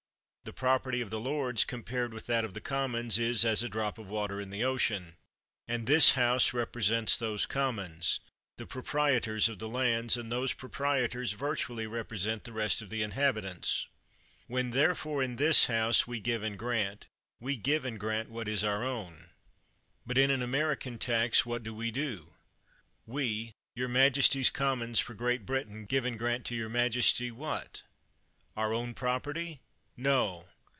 The property of the lords, compared with that of the Commons, is as a drop of water in the ocean; and this House represents those Commons, the proprietors of the lands ; and those proprietors virtually represent the rest of the inhabitants. "When, therefore, in this House we 199 THE WORLD'S FAMOUS ORATIONS give and grant, we give and grant what is our own. But in an American tax, what do we do? "We, your majesty's Commons for Great Brit ain, give and grant to your majesty' '— what? Our own property! No!